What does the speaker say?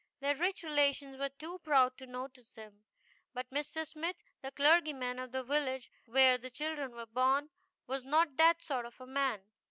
Their rich relations were too proud to notice them. But Mr. Smith, the clergyman of the village where the children were born, was not that sort of a man.